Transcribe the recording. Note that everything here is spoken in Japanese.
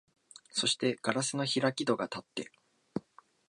そして硝子の開き戸がたって、